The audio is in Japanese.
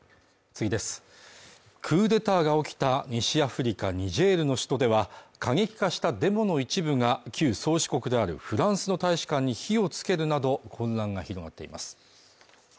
クーデターが起きた西アフリカ・ニジェールの首都では過激化したデモ隊の一部が旧宗主国であるフランスの大使館に火をつけるなど混乱が広がっています